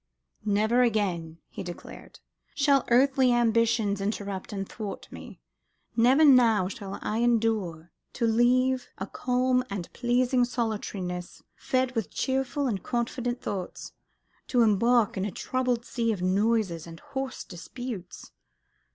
"Never again," he declared, "shall earthly ambitions interrupt and thwart me: never now shall I endure to leave a calm and pleasing solitariness, fed with cheerful and confident thoughts, to embark in a tumbled sea of noises and hoarse disputes.